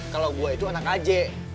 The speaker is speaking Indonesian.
kalo gue itu anak aja